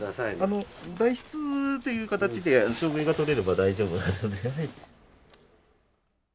あの代筆という形で証明が取れれば大丈夫ですので。